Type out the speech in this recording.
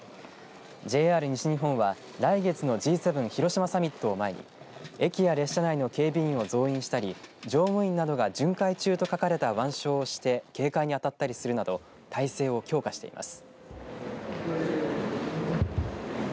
ＪＲ西日本は来月のＧ７広島サミットを前に駅や列車内の警備員を増員したり乗務員などが巡回中と書かれた腕章をして警戒に当たったりするなど体制を強化しています。